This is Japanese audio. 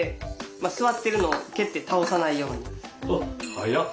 速っ！